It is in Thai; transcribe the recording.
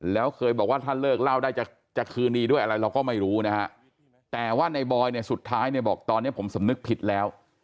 แล้วเคยบอกว่าถ้าเลิกเล่าได้จะคืนดีด้วยอะไรเราก็ไม่รู้นะฮะแต่ว่าในบอยเนี่ยสุดท้ายเนี่ยบอกตอนนี้ผมสำนึกผิดแล้ว